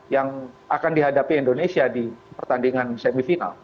yang akan dihadapi indonesia di pertandingan semifinal